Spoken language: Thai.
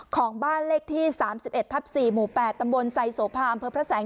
ของบ้านเลขที่สามสิบเอ็ดทับสี่หมู่แปดตำบลไซส์โสภาอำเภอพระแสง